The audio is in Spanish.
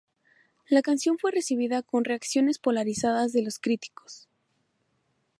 La canción fue recibida con reacciones polarizadas de los críticos.